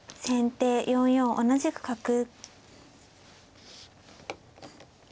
先手４四同じく角。